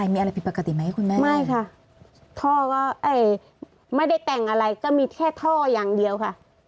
ท่อก็ไม่ได้แต่งอะไรก็มีแค่ท่อย่างเดียวค่ะ